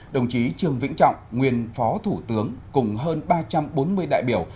đồng chí trường vĩnh trọng nguyên phó thủ tướng cùng hơn ba trăm bốn mươi đại biểu